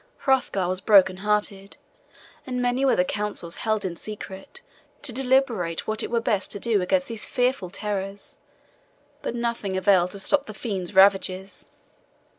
Hrothgar was broken hearted, and many were the councils held in secret to deliberate what it were best to do against these fearful terrors; but nothing availed to stop the fiend's ravages.